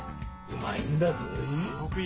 うまいんだぞい。